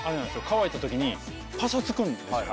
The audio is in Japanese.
乾いた時にパサつくんですよ